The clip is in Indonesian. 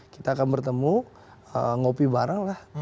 kita akan bertemu ngopi bareng lah